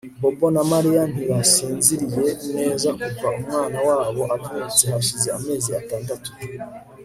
Bobo na Mariya ntibasinziriye neza kuva umwana wabo avutse hashize amezi atandatu